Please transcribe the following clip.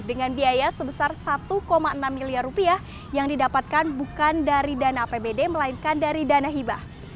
dengan biaya sebesar satu enam miliar rupiah yang didapatkan bukan dari dana apbd melainkan dari dana hibah